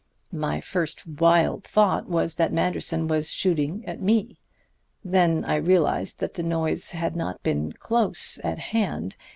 My first wild thought was that Manderson was shooting at me. Then I realized that the noise had not been close at hand.